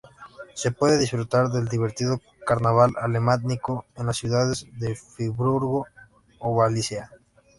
Se puede disfrutar del divertido carnaval alemánico en las ciudades de Friburgo o Basilea.